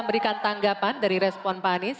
berikan tanggapan dari respon pak anies